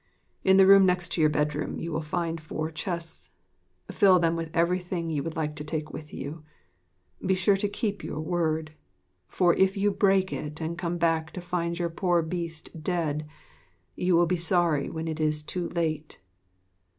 In the room next to your bedroom you will find four chests: fill them with everything you would like to take with you. Be sure to keep your word; for if you break it and come back to find your poor Beast dead, you will be sorry when it is too late.